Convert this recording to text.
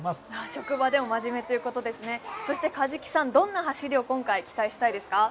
職場でも真面目ということですね、そして梶木さん、どんな走りを期待したいですか。